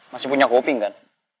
masih punya kopi kan